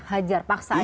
hajar paksa aja